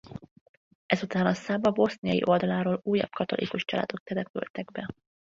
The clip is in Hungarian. Ezután a Száva boszniai oldaláról újabb katolikus családok települtek be.